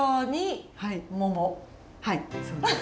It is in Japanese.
はいそうです。